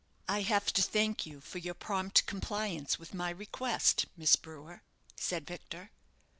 "I have to thank you for your prompt compliance with my request, Miss Brewer," said Victor.